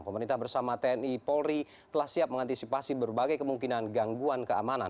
pemerintah bersama tni polri telah siap mengantisipasi berbagai kemungkinan gangguan keamanan